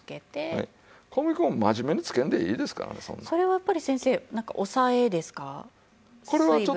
それはやっぱり先生なんか抑えですか？